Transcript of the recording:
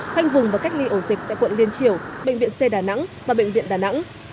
khoanh vùng và cách ly ổ dịch tại quận liên triểu bệnh viện c đà nẵng và bệnh viện đà nẵng